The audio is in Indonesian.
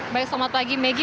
baik selamat pagi maggie